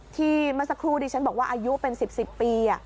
เมื่อสักครู่ดิฉันบอกว่าอายุเป็น๑๐ปี